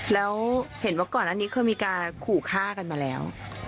แล้วเห็นว่าก่อนอันนี้เคยมีการขู่ฆ่ากันมาแล้ว